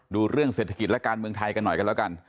เรื่องเศรษฐกิจและการเมืองไทยกันหน่อยกันแล้วกัน